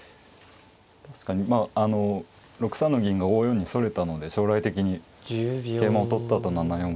確かにまああの６三銀が５四にそれたので将来的に桂馬を取ったあと７四